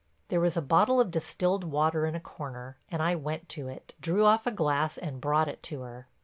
There was a bottle of distilled water in a corner and I went to it, drew off a glass and brought it to her.